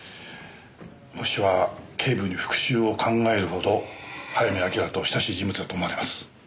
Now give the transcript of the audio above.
ホシは警部に復讐を考えるほど早見明と親しい人物だと思われます。